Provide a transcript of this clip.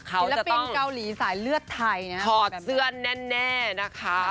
เพียรติกรียิสาหรือเลือดไทยนะคะต้อนรับเป็นกาหลีที่จะถอดเสื้อนแน่นะคะ